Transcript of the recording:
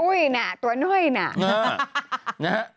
อุ๊ยน่ะตัวน้อยน่ะ